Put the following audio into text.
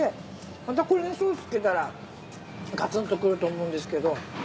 またこれにソースつけたらガツンとくると思うんですけど。